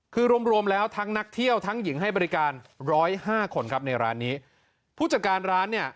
คือรวมรวมแล้วทั้งนักเที่ยวทั้งหญิงให้บริการร้อยห้าคนครับในร้านนี้ผู้จัดการร้านเนี่ย